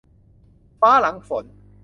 ฟ้าหลังฝน